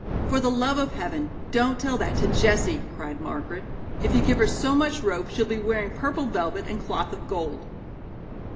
"For the love of heaven, don't tell that to Jessie," cried Margaret. "If you give her so much rope, she'll be wearing purple velvet and cloth of gold."